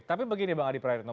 tapi begini bang adi praetno